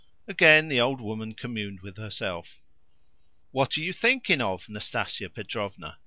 Again the old woman communed with herself. "What are you thinking of, Nastasia Petrovna?"